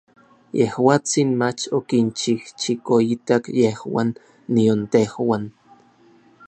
Yejuatsin mach okinchijchikoitak yejuan nion tejuan.